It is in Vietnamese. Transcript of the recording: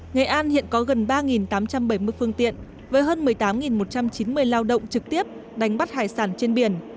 nghệ an hiện có gần ba tám trăm bảy mươi phương tiện với hơn một mươi tám một trăm chín mươi lao động trực tiếp đánh bắt hải sản trên biển